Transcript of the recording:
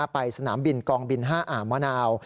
ไปสนามบินกองบิน๕อ่างมะนาว